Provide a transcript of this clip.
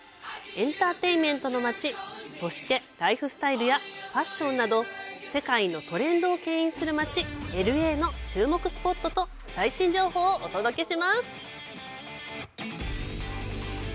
エンターテインメントの街、そして、ライフスタイルやファッションなど世界のトレンドを牽引する街ＬＡの注目スポットと最新情報をお届けします。